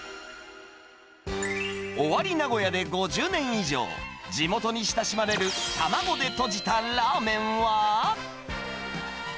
尾張名古屋で５０年以上、地元に親しまれる卵でとじたラーメンは。